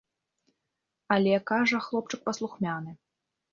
Але, кажа, хлопчык паслухмяны.